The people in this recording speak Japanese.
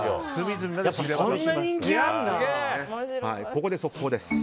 ここで速報です。